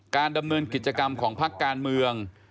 การดำเนินกิจกรรมของภักดิ์การเมือง